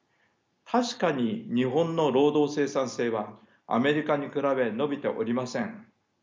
確かに日本の労働生産性はアメリカに比べ伸びておりません。